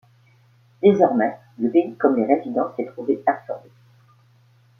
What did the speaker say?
Désormais, le pays, comme les résidents, s'est trouvé absorbé.